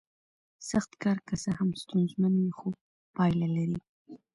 سخت کار که څه هم ستونزمن وي خو پایله لري